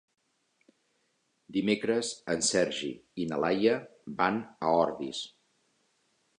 Dimecres en Sergi i na Laia van a Ordis.